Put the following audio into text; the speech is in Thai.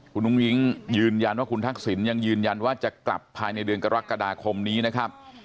คุณอุ้งอิ๊งยืนยันว่าคุณทักษิณยังยืนยันว่าจะกลับภายในเดือนกรกฎาคมนี้นะครับ